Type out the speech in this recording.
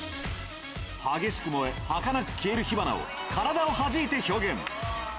激しく燃え、はかなく消える火花を体をはじいて表現。